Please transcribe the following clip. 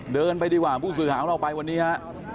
เดินไปดีกว่าผู้สื่อหาของเราไปวันนี้ฮะ